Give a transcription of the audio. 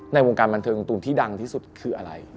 ในวงการบันเทิงตูนที่ดังที่สุดคืออะไร